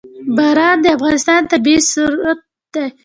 باران د افغانستان طبعي ثروت دی.